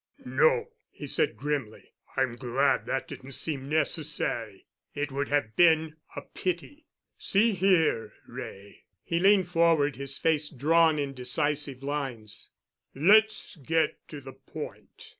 "No," he said grimly. "I'm glad that didn't seem necessary. It would have been a pity. See here, Wray"—he leaned forward, his face drawn in decisive lines—"let's get to the point.